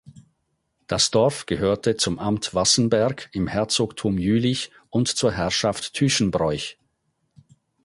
Das Dorf gehörte zum Amt Wassenberg im Herzogtum Jülich und zur Herrschaft Tüschenbroich.